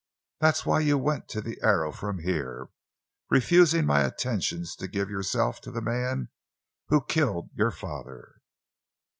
That's why you went to the Arrow from here—refusing my attentions to give yourself to the man who killed your father!"